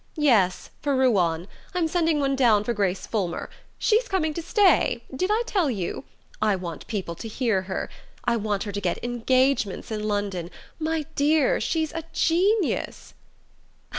"Yes: for Ruan. I'm sending one down for Grace Fulmer. She's coming to stay... did I tell you? I want people to hear her. I want her to get engagements in London. My dear, she's a Genius."